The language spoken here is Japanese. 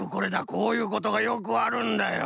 こういうことがよくあるんだよ。